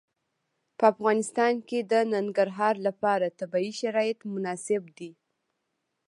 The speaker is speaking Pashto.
په افغانستان کې د ننګرهار لپاره طبیعي شرایط مناسب دي.